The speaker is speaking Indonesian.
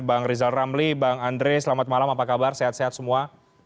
bang rizal ramli bang andre selamat malam apa kabar sehat sehat semua